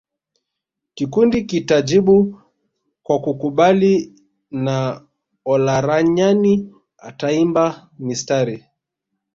Kikundi kitajibu kwa kukubali na Olaranyani ataimba mistari